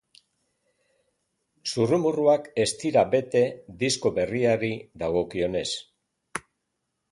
Zurrumurruak ez dira bete disko berriari dagokionez.